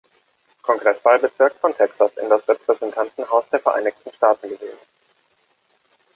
Kongresswahlbezirk von Texas in das Repräsentantenhaus der Vereinigten Staaten gewählt.